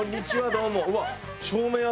どうも。